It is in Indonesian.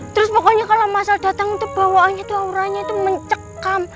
terus pokoknya kalau mas al datang tuh bawaannya tuh auranya tuh mencekam